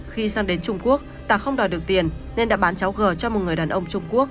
khi sang đến trung quốc tả không đòi được tiền nên đã bán cháu gờ cho một người đàn ông trung quốc